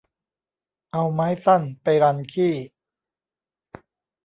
เอาไม้สั้นไปรันขี้